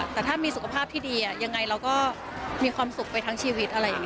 แต่ถ้ามีสุขภาพที่ดียังไงเราก็มีความสุขไปทั้งชีวิตอะไรอย่างนี้